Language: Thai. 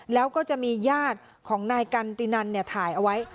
แล้วก็จะมีญาติของนายกันตินันถ่ายเอาไว้